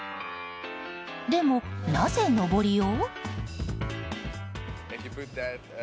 でも、なぜのぼりを？